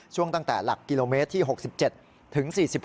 ตั้งแต่หลักกิโลเมตรที่๖๗ถึง๔๖